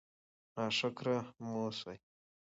ناشکره مه اوسئ.